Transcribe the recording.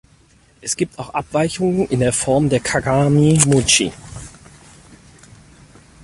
Es gibt auch Abweichungen in der Form der Kagami-Mochi.